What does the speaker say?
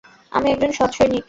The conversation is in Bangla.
আমি একজন সৎ সৈনিক।